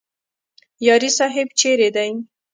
یاري صاحب چیرې دی؟